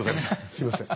すいません。